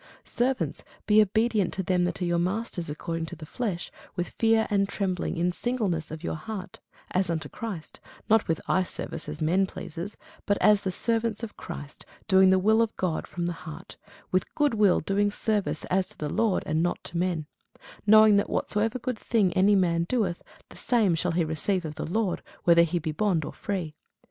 Servants, be obedient to them that are your masters according to the flesh, with fear and trembling, in singleness of your heart, as unto Christ; not with eyeservice, as men pleasers; but as the servants of Christ, doing the will of God from the heart; with good will doing service, as to the Lord, and not to men: knowing that whatsoever good thing any man doeth, the same shall he receive of the Lord, whether he be bond or free.